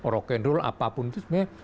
rock and roll apapun itu sebenarnya